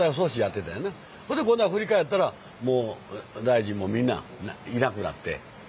それで今度は振り返ったら、大臣もみんないなくなって。